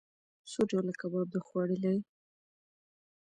څو ډوله کباب د خوړلئ؟